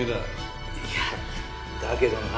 いやだけどな。